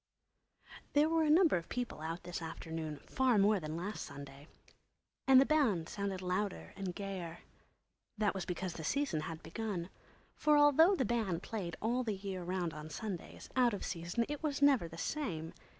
There were a number of people out this afternoon, far more than last Sunday. And the band sounded louder and gayer. That was because the Season had begun. For although the band played all the year round on Sundays, out of season it was never the same.